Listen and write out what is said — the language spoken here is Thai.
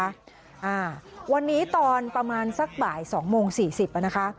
อ่าวันนี้ตอนประมาณสักบ่าย๒โมง๔๐นนะคะ